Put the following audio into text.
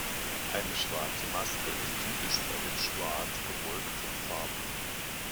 Eine schwarze Maske ist typisch bei den schwarz-gewolkten Farben.